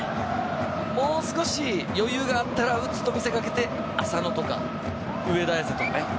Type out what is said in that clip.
もう少し余裕があったら打つと見せかけて浅野とか上田綺世にね。